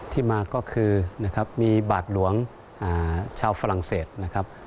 ที่มาก็คือนะครับมีบาทหลวงชาวฝรั่งเศสนะครับ